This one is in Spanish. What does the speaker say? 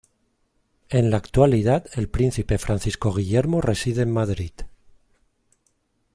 En la actualidad, el príncipe Francisco Guillermo reside en Madrid.